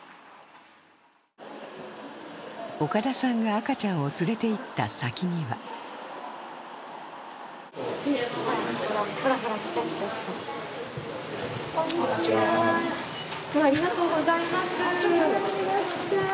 岡田さんが赤ちゃんを連れて行った先にはこんにちは、ありがとうございます。